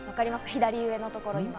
左上のところ。